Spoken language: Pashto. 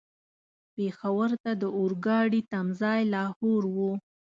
پېښور ته د اورګاډي تم ځای لاهور و.